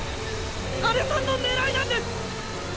アネさんの狙いなんです。